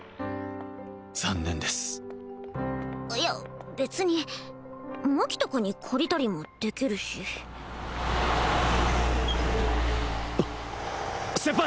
残念ですいや別にマキとかに借りたりもできるしあっ先輩！